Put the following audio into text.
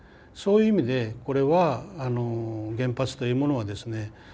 そういう意味でこれは原発というものはですね